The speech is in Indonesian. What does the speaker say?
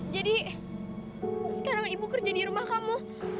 jadi sekarang ibu kerja di rumah kamu